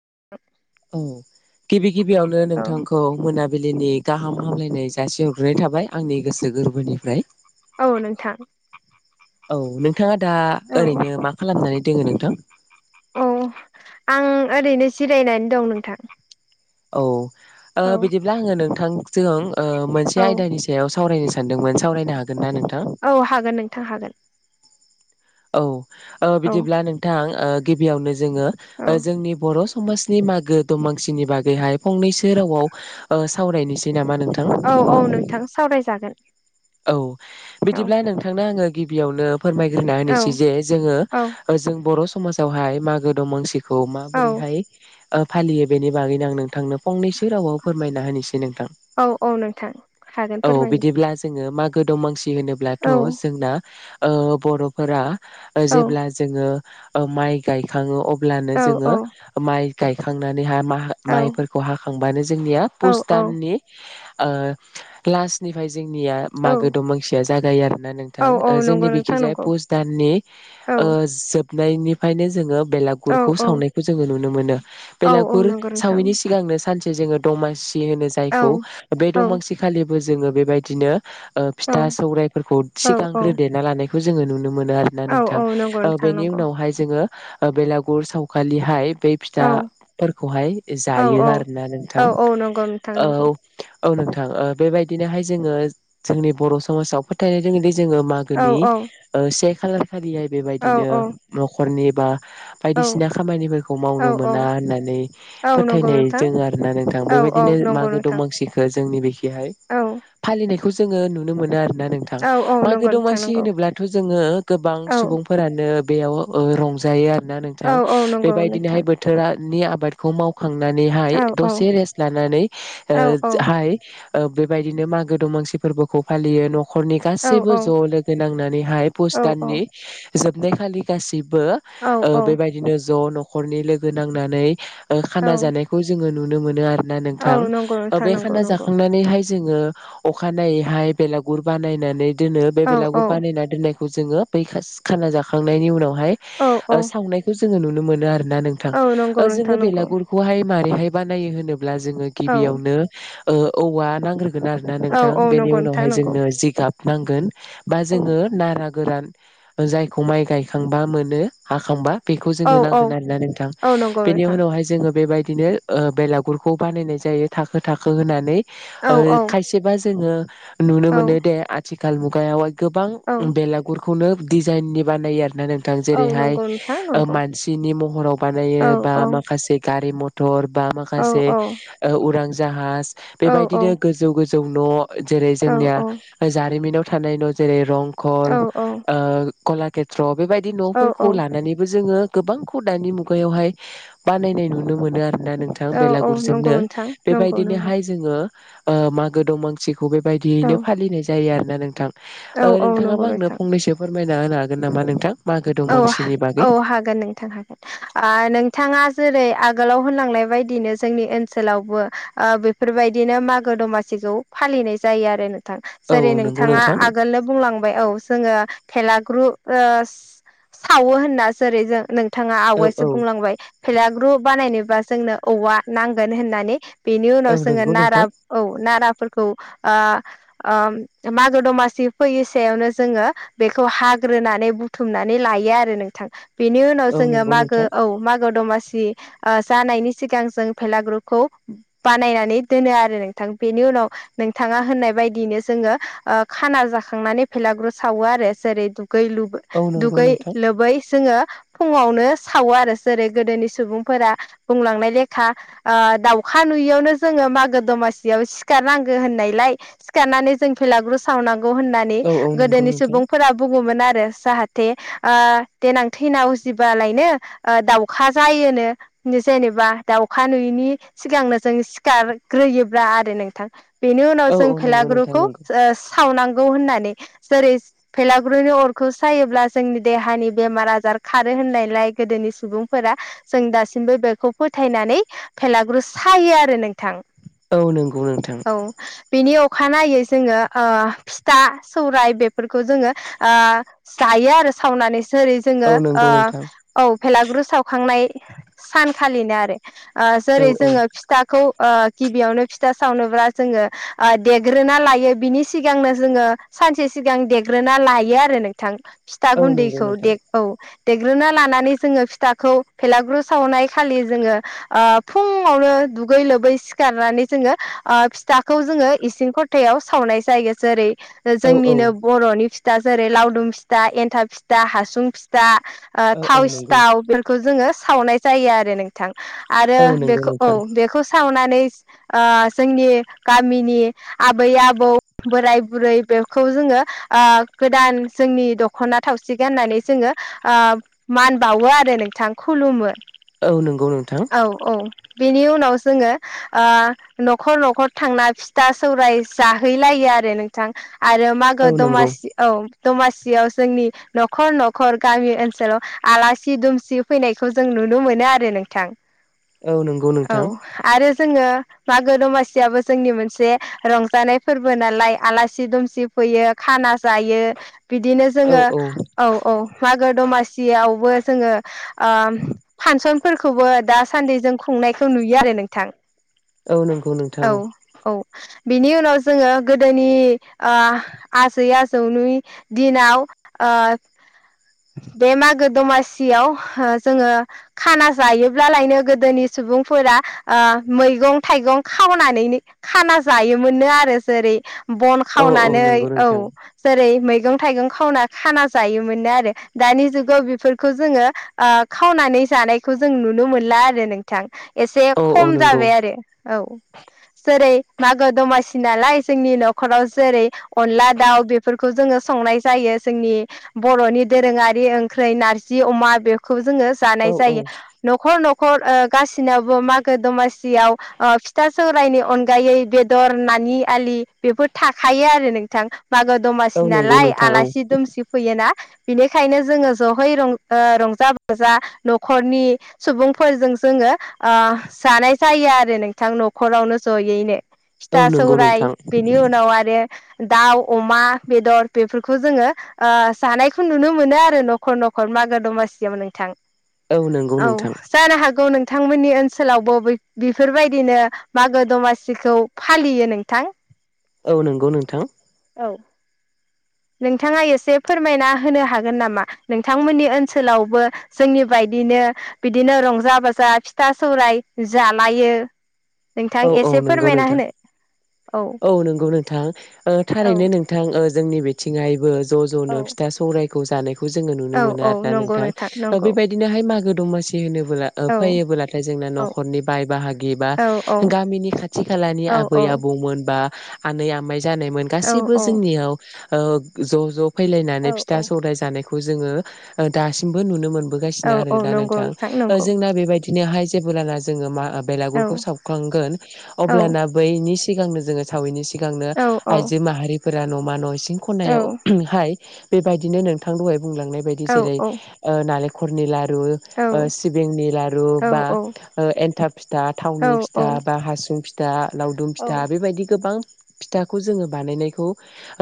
[unintelligible] औ गिबि गिबियावनो औ नोंथांखौ मोनाबि बिलिनि गाहाम हामलायनाय जासि हरग्रोनाय थाबाय आंनि गोसो गोरबोनिफ्राय औ नोथां औ नोंथाङा दा ओरैनो मा खालामनानै दोङो नोंथां औ आं ओरैनो जिरायनानै दं नोंथां औ बिदिब्ला आङो नोंथांजों औ मोनसे आयदानि सायाव सावरायनो सानदोंमोन सावरायनो हागोन। ना नोंथां औ हागोन नोंथां हागोन। औ औ बिदिब्ला नोंथां गिबियावनो जोङो औ जोंनि बर'। समाजनि मागो दमासिनि बागैहाय फंनैसो रावाव सावरायनोसै नामा। नोंथां औ औ नोंथां सावरायजागोन। औ औ बिदिब्ला नोंथांनो आङो गिबियावनो। फोरमायग्रोना औ होनोसै जे जोङो औ जों बर' समाजावहाय मागो दंमा सि। खौ औ माबोरैहाय फालियो बेनि बागैनो आं नोंथांनो फंनैसो रावाव फोरमायना होनोसै। नोंथां औ औ नोंथां हागोन औ फोरमायनो बिदिब्ला जोङो मागो दमासि होनोब्लाथ' औ जोंना बर'फोरा औ जेब्ला जोङो माइ गायखाङो अब्लानो औ औ जोङो माइ। गायखांनानै हा औ माइफोरखौ हाखांबानो जोंनिया पुस दाननि। लास्टनिफ्राय जोंनिया औ मागो दमांसिया जागायो आरो। औ नोंथां औ नंगौ जोंनि नोंथां बिखिजाय नंगौ पुस दाननि औ जोबनायनिफ्रायनो जोङो। औ बेलागुरखौ औ सावनायखौ जोङो नुनो मोनो औ औ बेलागुर नंगौ नोंथां सावैनि सिगांनो सानसे। जोङो दमासि होनो औ जायखौ बे औ दमासि खालिबो जोङो बेबायदिनो। औ फिथा सौरायाइफोरखौ औ सिगांग्रोदेरना लानायखौ जोङो नुनो मोनो। आरोना औ नोंथां औ नंगौ नोंथां बेनि नंगौ उनावहाय जोङो बेलागुर सावखालिहाय। बे औ फिथाफोरखौहाय औ जायो आरोना औ नोंथां नंगौ नोंथां औ। नंगौ औ नोंथां ओ बेबायदिनोहाय जोङो जोंनि बर' समाजाव फोथायनानै। जोङो औ मागोनि औ से खालार खालिहाय औ बेबायदिनो न'खरनि बा। औ बायदिसिना खामानिफोरखौ औ मावनो औ मोना होननानै औ नंगौ फोथायनाय नोंथां दों आरोना नोंथां बे। औ बेबायदिनो औ नंगौ मागो नोंथां दमांसिखौ जोंनि बेखिहाय औ फालिनायखौ जोङो नुनो मोनो आरोखि। ना नोंथां औ औ मागो नंगौ नोंथां दमासि नंगौ होनोब्लाथ' जोङो गोबां औ सुबुंफोरानो। बेयाव रंजायो आरोना औ नोंथां औ नंगौ बेबायदिनोहाय नोंथां बोथोरा। नि आबादखौ मावखांनानैहाय औ औ दसे रेस लानानै ओ औ औ हाय। ओ बेबायदिनो मागो दमानसिफोरबो। खौ फालियो न'खरनि औ गासैबो ज' लोगो नांनानैहाय पुस औ दाननि। जोबनायखालि गासिबो औ औ ओ बेबायदिनो ज' न'खरनि लोगो नांनानै। ओ औ खाना जानायखौ जोङो नुनो मोनो आरोना नोंथां औ नंगौ नोंथां बे नंगौ खाना नंगौ जाखांनानैहाय। जोङो अखानायनायैहाय बेलागुर बानायनानै दोनो बे औ बेलागुर औ बानायनानै दोननाय। खौ जोङो बै खाना जाखांनायनि उनावहाय औ औ सावनायखौ जोङो नुनो मोनो आरो। ना नोंथां औ नंगौ नोंथां जोङो नंगौ बेलागुरखौहाय मारैहाय बानाय होनोबा ब्ला जोङो औ गिबियावनो ओ औवा नांग्रोगोन आरोना। औ थां औ बिनि नंगौ नोंथां उनावहाय नंगौ जोंनो जिगाब नांगोन बा औ जोङो नारा गोरान जायखौ माइ गायखांबा मोनो हाखांबा बेखौ औ जोंनो औ नांगोन आरोना नोंथां औ नंगौ बेनि नोंथां उनावहाय जोङो बेबायदि बिदिनो बेलागुरखौ बानायनाय जायो थाखो थाखो होननानै औ ओ औ खायसेया जों जोङो नुनो औ मोनो दे आथिखाल मुगायावहाय गोबां औ बेलागुर खौनो डिजाइन नि बानायो आरो। ना नोंथां औ जेरैहाय नंगौ नोंथां नंगौ मानसिनि महराव औ बानायो बा माखासे गारि मथर टर बा औ माखासे औ उरां जाहाज औ बेबायदिनो गोजौ गोजौ न'। जेरै औ जोंनिया जारिमिनाव थानाय न' जेरै रंखर औ ओ। कलाकेत्र बेबायदि औ न'फोरखौ लानानैबो जोङो गोबांखौ दानि मुगायावहाय बानायनाय नुनो मोनो आरो। ना नोंथां औ औ नंगौ बेलागुरजोंनो नोंथां नंगौ नंगौ बेबायदिनोहाय जोङो ओ मागो दमासि औ औ बेबायदियैनो फालिनाय जायो आरोना नोंथां औ औ नंगौ नोंथाङाबा आंनो नोंथां फंनैसो फोर फोरमायना होनो हागोन नामा नोंथां। मागो औ दमासिनि औ बागै हागोन नोंथां हागोन ओ नोंथाङा। जेरै आगोलाव होनलांनाय बायदिनो जोंनि ओनसोलावबो ओ बेफोरबायदिनो मागो दमासि जौ फालिनाय जायो आरो नों थां औ जेरै नंगौ नोंथाङा नोंथां आगोलनो बुंलांबाय औ जोङो भेलाग्रु ओस सावो होनना जेरै जों नोंथाङा औ आवगायसो औ बुंलांबाय भेला ग्रु बानायनोबा जोंनो औवा नांगोन होननानै बेनि औ उनाव जोङो नंगौ नोंथां नाराब औ नाराब फोरखौ ओ ओ मागो दमासि फैयै सायावनो जोङो बेखौ हाग ग्रोनानै बुथुमनानै लायो‌ आरो नोंथां बेनि उनाव औ जोङो नंगौ मागो नोंथां औ मागो दमास सि ओ जानायनि सिगां जों भेलागुरखौ बानायनानै दोनो आरो नोंथां बेनि उनाव नोंथाङा होननाय बायदिनो जोङो ओ खाना जाखांनानै भेलागुर सावो आरो जेरै दु दुगै लुगु औ नंगौ दुगै नोंथां लोबै जोङो फुङावनो सावो आरो जेरै गोदोनि सुबुंफोरा बुंलांनाय लेखा ओ दाउख खा नुयियावनो जोङो मागो दमासियाव सिखारनांगो होननायलाय सिखारनानै जों भेलागुर सावनांग गौ होननानै औ औ नंगौ गोदोनि नोंथां सुबुंफोरा बुङोमोन आरो जाहाथ थे ओ देनां थैना उजिबालायनो ओ दाउखा जायोनो नि जेनेब बा दाउखा नुयिनि सिगांनो जों सिखारग्रोयोब्ला आरो नोंथां। बेनि उनाव औ जों औ नंगौ नोंथां भेलागुरखौ नंगौ ओ सावनांग गौ होननानै जेरैस भेलागुरुनि अरखौ सायोब्ला जोंनि देहानि बेमार आजार खारो होननायलाय गोदोनि सुबुंफोरा जों दासिमबो बेखौ फोथ थायनानै भेलागुर सायो आरो नोंथां। औ नंगौ नोंथां औ बिनि औ अखानायै जोङो ओ फिथा सौराय बेफोरखौ जोङो आ जायो आर ओ सावनानैसो जेरै जोङो औ ओ नंगौ नोंथां औ भेलागुर सावखांनाय सानखालिनो आरो ओ औ जेरै औ जोङो फिथाखौ ओ गिबियावनो फिथा सावनोब्ला जोङो ओ देग्रोना लायो बिनि सिगांनो जोङो सानसे सि सिगां देग्रोना लायो आरो नोंथां फिथा औ नंगौ गुन्दैखौ नोंथां दे औ देग्रोना लानानै जोङो फिथाखौ भेलागुर सावनाय खालि जोङो ओ फुङावनो ओ दुगै लोबै सिखारनानै जोङो ओ फिथाखौ जोङो इसिं खथायाव सावनाय जायो जेरै औ औ जोंनिनो बर'नि फिथा जेरै लावदुम फिथा एन्थाब फिथा हासुं फिथा। ओ औ औ थाव नंगौ सिथाव बेफोरखौ जोङो सावनाय जायो आरो नोंथां। आरो औ नंगौ बेखौ औ नोंथां बेखौ सावनान नैस ओ जोंनि गामिनि आबै आबौ बोराय बुरै बेखौ जोङो ओ गोदान जोंनि दख'ना थावसि गान्नानै जोङो ओ मान बावो आरो नोंथां खुलुमो। औ नों औ औ बेनि उनाव जोङो ओ न'खर न'खर थांना फिथा जाहैलाया। आरो नोंथां आरो मागो औ नंगौ दमासि औ दमासियाव जोंनि न'खर न'खर गामि ओनसोलाव आलासि दुमसि फैनायखौ जों नु नुनो मोनो आरो नोंथां। औ नंगौ नोंथां। औ आरो जोङो मागो दमासियाबो जोंनि मोनसे रंजानाय फोरबो नालाय आलासि दुमसिफ फैयो खाना जायो। बिदिनो जोङो औ औ मागो दमासियावबो जोङो ओम फानसनफोरखौबो दासान्दे जों खुंनायखौ नुयो आरो नोंथां। औ नंगौ औ नोंथां। औ बिनि उनाव जोङो गोदोनि ओ आजै आजौनि दिनाव ओ बे मागो दमासियाव ओ जोङो खानाज जायोब्लालायनो गोदोनि सुबुंफोरा ओ मैगं थाइगं खावनानैनो खाना खो जायोमोननो आरो जेरै बन औ औ खावनानै नंगौ नोंथां औ जेरै मैगं थाइगं खावना खाना जायोमोननो आरो दानि जुगाव बेफोरखौ जोङो ओ खावना नानैस जानायखौ जों नुनो मोनला आरो नोंथां एसे औ औ खम नंगौ जाबाय आरो औ [inaudible] जेरै मागो दमासि नालाय, जोंनि न'खराव जेरै अनला, दाउ बेफोरखौ जोङो सं नाय जायो। जोंनि बर'नि दोरोङारि ओंख्रै नारजि अमा बे खौ जोङो औ जानाय औ जायो न'खर न' खर ओ गासिनावबो मागो दमासियाव ओ फिथा सौरायनि अनगायै बेदर ना नि आलि बेफोर थाखायो आरो नोंथां। मागो दमासि औ नंगौ नालाय, नोंथां आलासि दुमसि फैयोना। बिनिखायनो जोङो ज'है ज ओ रंजा बाजा न' खरनि सुबुंफोरजों जोङो ओ जानाय जायो आरो नोंथां न'खरावनो जयैनो। औ फिथा नंगौ सौराय नोंथां बेनि उनाव आरो दाउ, अमा बेदर बेफोरखौ जोङो ओ जानायखौ नुनो मोनो आरो न'खर न'खर मागो दमासियाव नोंथां। नंगौ औ नोंथां जानो हागौ नों थांमोननि ओनसोलावबो बै बेफोरबायदिनो मागो दमासिखौ फालियो नोंथां। औ नंगौ नोंथां। औ। नोंथाङा एसे फोरमायना होनो हागोन नामा? नोंथांमोननि ओनसोलावबो जोंनि बाय दिनो बिदिनो रंजा बाजा फिथा सौराय जालायो। नोंथां औ औ एसे नंगौ फोरमायना नोंथां। होनो औ नंगौ नोंथां। ओ थारैनो औ नोंथां ओ जोंनि बिथिंहायबो ज' ज'नो औ फिथा सौरायखौ जानायखौ जोंङो नुनो मोनो औ आरो ना नंगौ नोंथां। ओ नंगौ बेबायदिनोहाय मागो दमासि सि होनोबोला ओ औ फैयोबोलाथाय जोंना औ न'खरनि बाय बाहागि बा औ औ गामिनि खाथि खालानि औ आबै आबौमोन बा आनै आमाय जानायमोन औ गासैबो जोंनियाव ओ ज' ज' औ फैलायनानै फिथा औ सौराय जानाय खौ जोंङो ओ दासिमबो नुनो मोन बोगासिनो आरो औ दा नंगौ नोंथां। ओ नंगौ जोंना बेबायदिनोहाय जेबोलाना जोंङो मा औ बेलागुरखौ साव खांगोन औ अब्लाना बैनि सिगांनो जोंङो सावैनि सिगांनो औ औ आइजो माहारि फोरा न'मा न' इसिं औ खनायावहाय बेबायदिनो नोंथां दहाय बुंलांनाय बायदि औ जेरैे औ ओ नालेखरनि ला दु औ ओ सिबिंनि लारु औ बा ओ एनथाब फिथा थावनि फि था बा हासुं फिथा, लावदुम फिथा बेफोरबायदि गोबां फिथाखौ जोंङो बानायनायखौ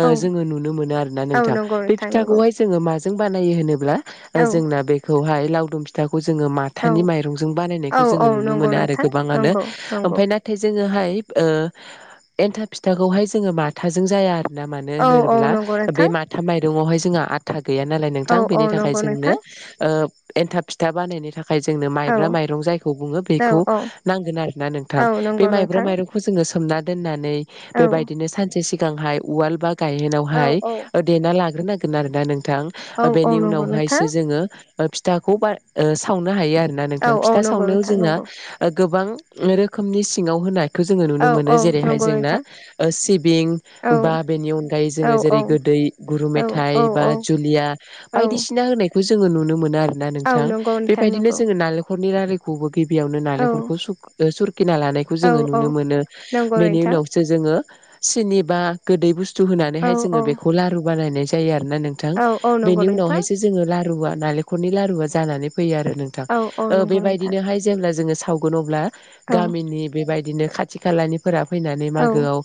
ओ जोंङो नुनो मोनो आरोना औ नोंथां। नंगौ बे नोंथां नंगौ फिथाखौहाय जोंङो माजों बानायो होनोब्ला ओ औ जोंना बेखौहाय लावदुम फिथा खौ जोंङो माथानि औ माइरंजों औ बानायनायखौ औ जोंङो नुनो नंगौ मोनो आरो नोंथां गोबांङानो। नंगौ नंगौ ओमफाय नाथाय जोंङोहाय ओ एन्थाब फिथाखौहाय जोंङो माथाजों जाया ना मानो औ औ होनोरोब्ला, नंगौ बे नोंथां माथा माइरङावहाय जोंङा आथा गैया नालाय औ नोंथां। औ बेनि थाखाय नंगौ जोंनो नोंथां ओ एन्थाब फिथा बानायनो था खाय जोंनो औ माइब्रा माइरं जायखौ बुंङो औ बेखौ औ नांगोन आरो ना औ नोंथां। बे नंगौ माइब्रा नोंथां माइरंखौ जोंङो सोमना दोननानै औ बेबायदिनो सानसे सि गांहाय उवाल बा औ गायहेनावहाय औ ओ देना लाग्रोनांगोन आरोना नों थां। औ ओ औ बेनि नंगौ नोंथां उनावहायसो जोंङो ओ फिथाखौ बा ओ सावनो हायो आ ना औ नोंथां। औ फिथा नंगौ सावनायाव नोंथां जोंहा नंगौ ओ गोबां रोखोमनि सिंङाव होनाय खो जोंङो औ नुनो औ मोनो। जेरैहाय नंगौ जोंना नोंथां ओ सिबिं औ बा बेनि अनगायै औ जोंङो औ जेरै गोदै ओइ, गुरु औ मेथाइ औ बा औ जुलिया औ बायदिसिना होनायखौ जोंङो नुनो मोनो आ ना औ नोंथां नंगौ नोंथां बेबायदिनो नंगौ जोंङो नालेखरनि रारिखौबो गिबियावनो औ नालेंखरखौ सुख ओ सुरख किना लानायखौ औ जोंङो औ नुनो मोनो। नंगौ बेनि नोंथां उनावसो जोंङो सिनि बा गोदै बुस थु औ होनानैहाय जोंङो औ बेखौ लारु बानायनाय जायो आरो ना नोंथां। औ औ नंगौ बेनि नोंथां उनावहायसो जोंङो लारुआ नालेखरनि लारुआ जानानै फैयो आरो नोंथां। औ औ ओ नंगौ नोंथां बेबायदिनोहाय जेब्ला जोंङो सावगोन अब्ला औ गामिनि बेबायदिनो खाथि खालानिफोरा फैनानै औ मागोआव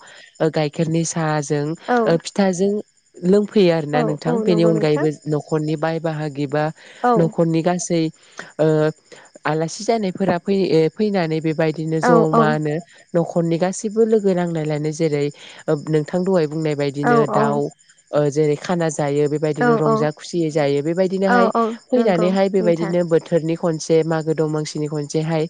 ओ गाइखेरनि सा साजों औ ओ फिथाजों लोंफैयो आरो ना औ औ नोंथां। बेनि नंगौ नोंथां अनगायैबो न'खरनि बाय बाहागि बा औ न'खरनि गासै ओ आलासि जानायफोरा फै ए फैनानै बेबायदिनो औ औ नंगौ नोंथां औ जमानो न'खरनि गासैबो लोगो नांलायनानै जेरै ओ नोंथां दहाय बुंनाय बायदिनो दाउ ओ जेरै खानास जायो बेबायदिनो रंजा खुसियै जायो बेबायदिनोहाय फैनानैहाय बेबायदिनो बोथोरनि खनसे मागो दमांसिनि खनसेहाय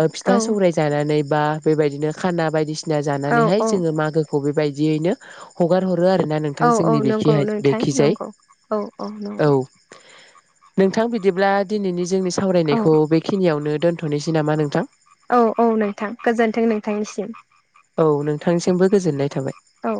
ओ फिथा सौराय जानानै बा बेबायदिनो खाना बायदिसिना जानानैहाय जोङो मागोखौ बेबायदियैनो हगार हर रो आरो ना औ नोंथां औ जोंनि नंगौ बेखिहाय नोंथां बेखिजाय नंगौ औ औ। नंगौ नोंथां बिदिब्ला दिनैनि जोंनि औ सावरायनायखौ बेखिनियावनो दोन्थ'नोसै नामा नोंथां। औ औ नोंथां गोजोन्थों नोंथांनिसिम। औ नोंथांनिसिमबो गोजोननाय थाबाय। औ।